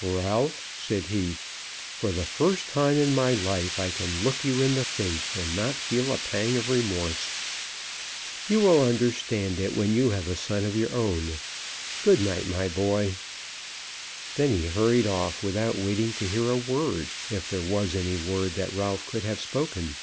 "Ralph," said he, "for the first time in my life I can look you in the face, and not feel a pang of remorse. You will understand it when you have a son of your own. Good night, my boy." Then he hurried off without waiting to hear a word, if there was any word that Ralph could have spoken.